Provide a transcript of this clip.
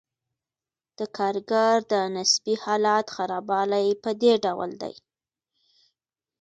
د کارګر د نسبي حالت خرابوالی په دې ډول دی